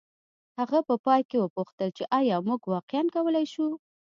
هغه په پای کې وپوښتل چې ایا موږ واقعیا کولی شو